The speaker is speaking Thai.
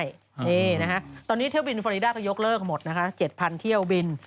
นี่นะฮะตอนนี้เที่ยวบินฟอริดาก็ยกเลิกหมดนะคะ๗๐๐เที่ยวบิน